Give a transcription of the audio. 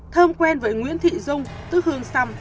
thơm quen với nguyễn thị dung tức hương xăm